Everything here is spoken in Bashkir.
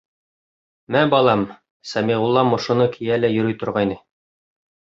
— Мә, балам, Сәмиғуллам ошоно кейә лә йөрөй торғайны.